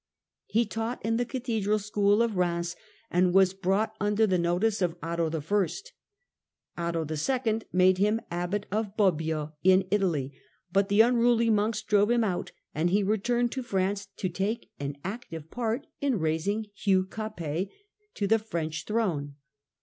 He taught in the cathedral school of Eheims, and was brought under the notice of Otto I. Otto II. made him Abbot of Bobbio in Italy, but the unruly monks drove him out, and he returned to France to take an active part in raising Hugh Capet to the French throne (see chap.